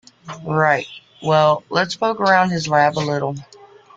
Right, well let's poke around his lab a little.